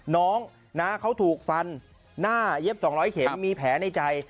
น้องนะเขาถูกฟันหน้าเย็บ๒๐๐เข็มมีแผลในใจ